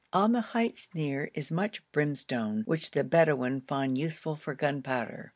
On the heights near is much brimstone, which the Bedouin find useful for gunpowder.